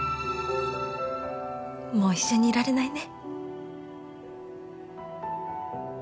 もう一緒にいられないね。